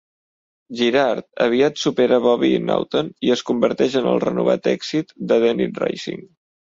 Girard aviat supera Bobby i Naughton, i es converteix en el renovat èxit de Dennit Racing.